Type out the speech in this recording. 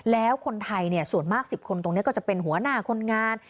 แล้วคนไทยส่วนมาก๑๐คนตรงนี้ก็จะเป็นหัวหน้าคนงาน